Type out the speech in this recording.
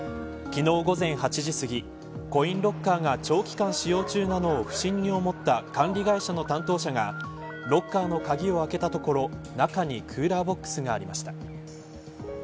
昨日午前８時すぎコインロッカーが長期間使用中なのを不審に思った管理会社の担当者がロッカーの鍵を開けたところ中にクーラーボックスがありました。